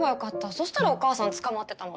そしたらお母さん捕まってたのに。